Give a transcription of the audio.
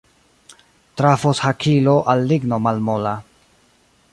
Trafos hakilo al ligno malmola.